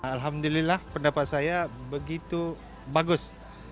alhamdulillah pendapat saya begitu bagus